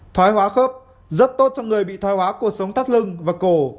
thoái hóa khớp rất tốt cho người bị thoái hóa cuộc sống tát lưng và cổ